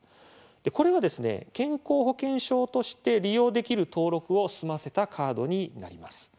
これは、健康保険証として利用できる登録を済ませたカードになります。